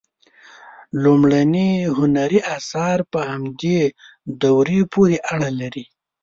لومړني هنري آثار په همدې دورې پورې اړه لري.